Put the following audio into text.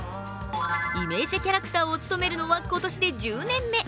イメージキャラクターを務めるのは今年で１０年目。